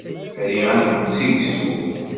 Riɣ ad t-id-ssegzuɣ.